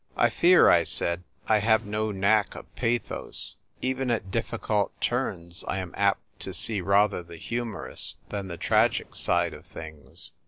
" I fear," I said, " I have no knack of pathos ; even at difficult turns I am apt to see rather the humorous than the tragic side of things."